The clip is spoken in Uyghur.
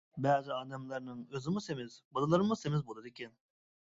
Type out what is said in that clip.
بەزى ئادەملەرنىڭ ئۆزىمۇ سېمىز، بالىلىرىمۇ سېمىز بولىدىكەن.